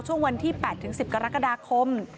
วันที่๘๑๐กรกฎาคม